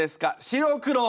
白黒。